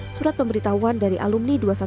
surat pemberitahuan dari alumni dua ratus dua belas